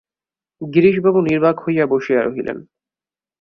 গিরিশবাবু নির্বাক হইয়া বসিয়া রহিলেন।